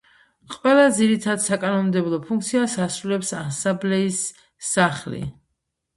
ყველა ძირითად საკანონმდებლო ფუნქციას ასრულებს ასამბლეის სახლი.